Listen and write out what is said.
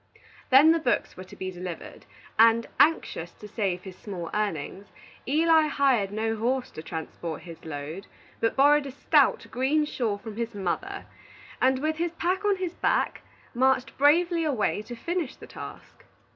Then the books were to be delivered, and, anxious to save his small earnings, Eli hired no horse to transport his load, but borrowed a stout, green shawl from his mother, and, with his pack on his back, marched bravely away to finish his task.